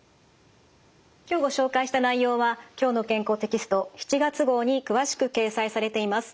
今日ご紹介した内容は「きょうの健康」テキスト７月号に詳しく掲載されています。